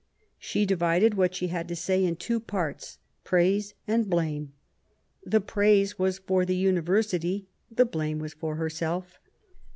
She divided what she had to say in two parts : praise and blame. The praise was for the University, the blame for herself.